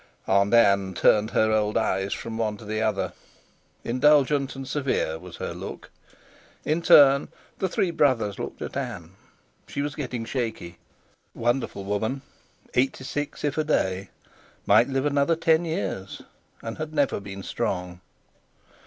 Aunt Ann turned her old eyes from one to the other. Indulgent and severe was her look. In turn the three brothers looked at Ann. She was getting shaky. Wonderful woman! Eighty six if a day; might live another ten years, and had never been strong.